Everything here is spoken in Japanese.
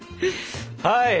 はい！